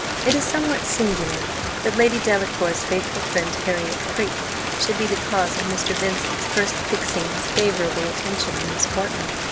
It is somewhat singular that Lady Delacour's faithful friend, Harriot Freke, should be the cause of Mr. Vincent's first fixing his favourable attention on Miss Portman.